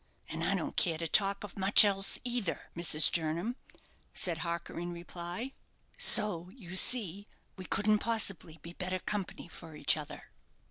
"And I don't care to talk of much else either, Mrs. Jernam," said Harker, in reply; "so, you see, we couldn't possibly be better company for each other."